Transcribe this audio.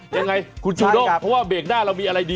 ยังไงคุณชูโด้งเพราะว่าเบรกหน้าเรามีอะไรดี